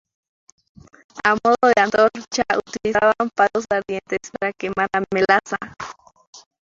A modo de antorcha, utilizaban palos ardientes para quemar la maleza.